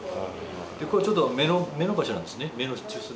これちょうど目の場所なんですね。